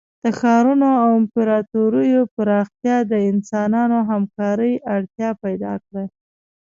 د ښارونو او امپراتوریو پراختیا د انسانانو همکارۍ اړتیا پیدا کړه.